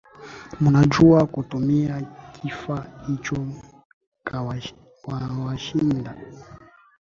Mnajua kutumia kifaa hicho kawashinda